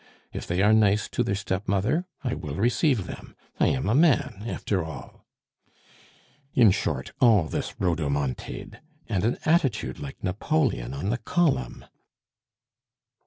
If they are nice to their stepmother, I will receive them. I am a man, after all!' In short, all this rhodomontade! And an attitude like Napoleon on the column."